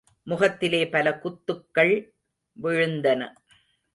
முகத்திலே பல குத்துக்கள் விழுந்தன.